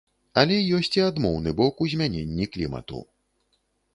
Але ёсць і адмоўны бок у змяненні клімату.